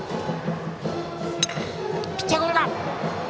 ピッチャーゴロ。